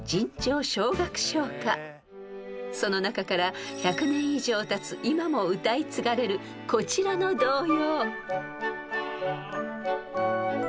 ［その中から１００年以上たつ今も歌い継がれるこちらの童謡］